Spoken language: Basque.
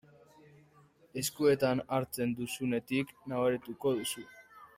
Eskuetan hartzen duzunetik nabarituko duzu.